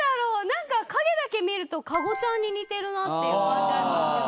何か影だけ見ると加護ちゃんに似てるなっていう感じありますけど。